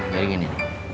nah jadi gini